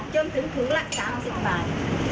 จนถึงถุงละ๓๐บาท